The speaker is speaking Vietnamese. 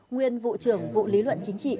nguyên vụ trưởng vụ lý luận chính trị